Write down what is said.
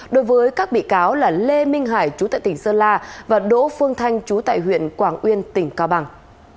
đối với các bị cáo là lê minh hải chú tại tỉnh sơn la và đỗ phương thanh chú tại huyện quảng uyên tỉnh cao bằng